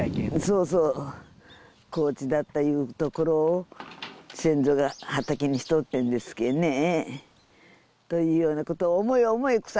そうそう荒地だったいうところを先祖が畑にしとってんですけえねというようなことを思い思い草